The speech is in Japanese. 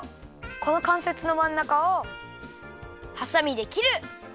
このかんせつのまんなかをはさみできる！